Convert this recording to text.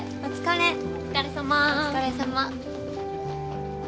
お疲れさま。